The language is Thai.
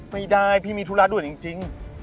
ไม่ได้พี่มีธุระด่วนจริง